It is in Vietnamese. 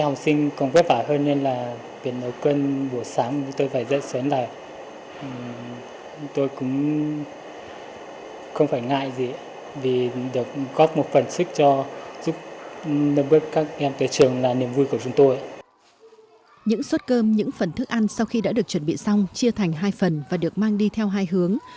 những suất cơm những phần thức ăn sau khi đã được chuẩn bị xong chia thành hai phần và được mang đi theo hai hướng